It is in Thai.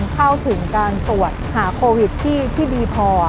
เข้าถึงการตรวจหาโควิดที่ดีพอ